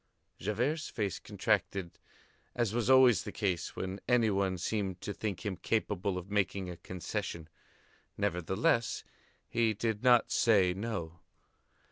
Javert's face contracted as was always the case when any one seemed to think him capable of making a concession. Nevertheless, he did not say "no."